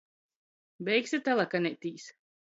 Beigsi talakanētīs?